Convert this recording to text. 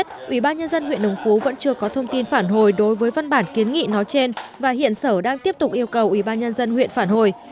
huyện nông phú vẫn chưa có thông tin phản hồi đối với văn bản kiến nghị nó trên và hiện sở đang tiếp tục yêu cầu ủy ban nhân dân huyện phản hồi